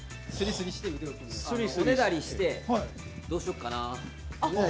おねだりして、どうしよっかな。